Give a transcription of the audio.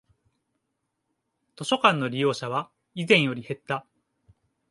図書館の利用者は以前より減った